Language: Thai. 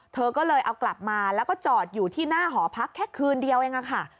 เธอก็เลยเอากลับมาแล้วก็จอดอยู่ที่หน้าหอพักแค่คืนเดียวเองค่ะ